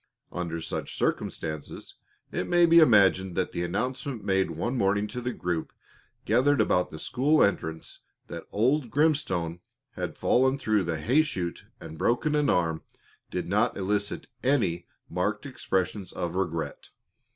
Under such circumstances, it may be imagined that the announcement made one morning to the group gathered about the school entrance that old Grimstone had fallen through the hay shoot and broken an arm did not elicit any marked expressions of regret.